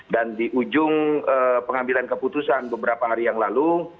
dan di ujung pengambilan keputusan beberapa hari yang lalu